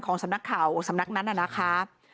สำนักข่าวสำนักนั้นน่ะนะคะ